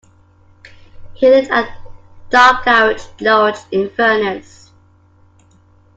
He lived at Dochgarroch Lodge, Inverness.